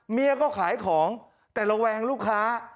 เมียก็ขายของแต่ระแวงลูกค้า